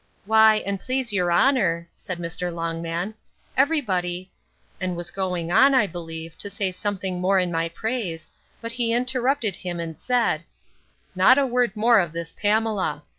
Why, and please your honour, said Mr. Longman, every body—and was going on, I believe, to say something more in my praise, but he interrupted him, and said, Not a word more of this Pamela.